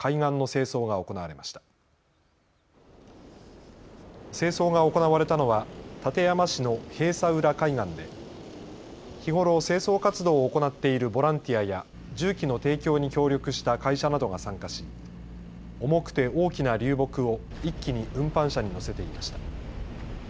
清掃が行われたのは館山市の平砂浦海岸で日頃、清掃活動を行っているボランティアや重機の提供に協力した会社などが参加し重くて大きな流木を一気に運搬車に載せていました。